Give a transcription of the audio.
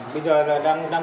bây giờ là đang